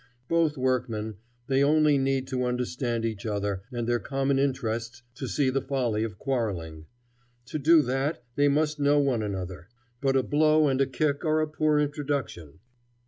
Both workmen, they only need to understand each other and their common interests to see the folly of quarrelling. To do that they must know one another; but a blow and a kick are a poor introduction.